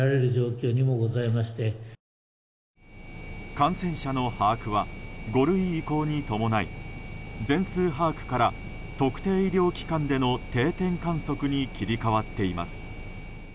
感染者の把握は５類移行に伴い全数把握から特定医療機関での定点観測に切り替わっています。